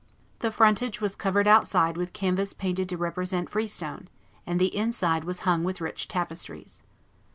The frontage was covered outside with canvas painted to represent freestone; and the inside was hung with rich tapestries.